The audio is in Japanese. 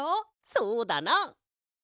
そうだな！